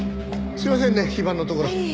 すいませんね非番のところ。